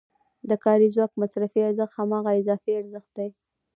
د کاري ځواک مصرفي ارزښت هماغه اضافي ارزښت دی